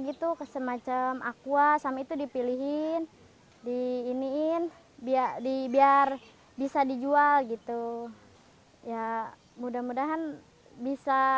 gitu ke semacam aqua sama itu dipilihin di iniin biar di biar bisa dijual gitu ya mudah mudahan bisa